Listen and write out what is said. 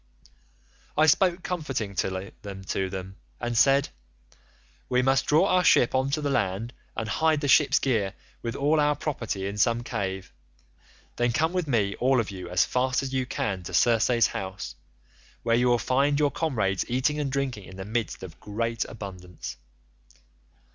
"I spoke comfortingly to them and said, 'We must draw our ship on to the land, and hide the ship's gear with all our property in some cave; then come with me all of you as fast as you can to Circe's house, where you will find your comrades eating and drinking in the midst of great abundance.